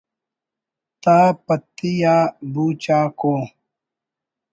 تا پتی آ بو چ آک ءُ